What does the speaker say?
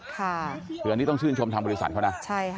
คืออันนี้ต้องชื่นชมทางบริษัทเขานะ